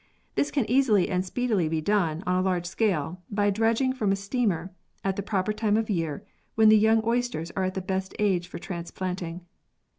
This can easily and speedily be done, on a large scale, by dredging from a steamer, at the proper time of year, when the young oysters are at the best age for transplanting.